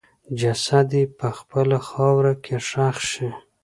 جسد یې په خپله خاوره کې ښخ شي.